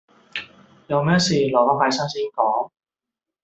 有咩事，留返拜山先講